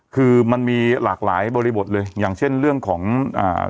คือมันมีหลากหลายบริบทเลยอย่างเช่นเรื่องของอ่า